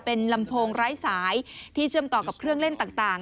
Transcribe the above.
เป็นลำโพงไร้สายที่เชื่อมต่อกับเครื่องเล่นต่าง